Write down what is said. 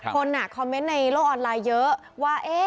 คนคอมเมนต์ในโลกออนไลน์เยอะว่า